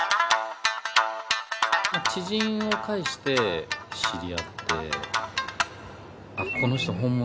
知人を介して知り合って。